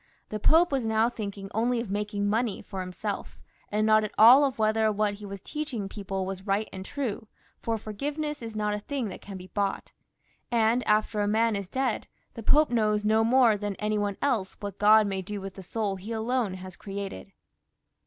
The Pope was now thinking only of making money for himself^ and not at ^ of whether what he was teaching people was right and true, for forgiveness ' is not a thing that can be bought ; and after a man is deapl, the Pope knows no more than any one else what God may do with the soul He alone has created.